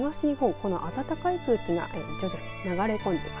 この暖かい空気が徐々に流れ込んでいます。